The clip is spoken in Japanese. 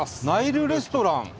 ナイルレストラン。